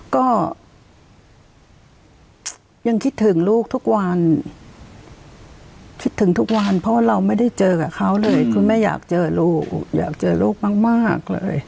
ก็ยังคิดถึงลูกทุกวันคิดถึงทุกวันเพราะว่าเราไม่ได้เจอกับเขาเลยคุณแม่อยากเจอลูกอยากเจอลูกมากเลย